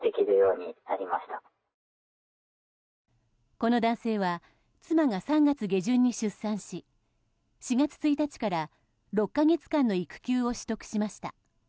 この男性は妻が３月下旬に出産し４月１日から６か月間の育休を取得しました。